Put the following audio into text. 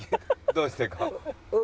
どうしてか。